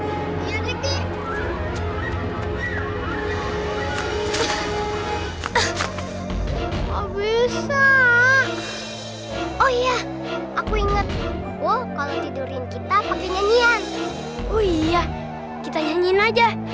hai habis ah oh iya aku inget oh kalau tidurin kita pakai nyanyian oh iya kita nyanyiin aja